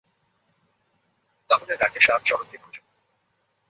তাহলে রাকেশ আর চরণকে খুঁজুন।